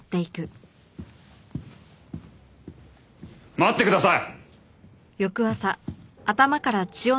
待ってください！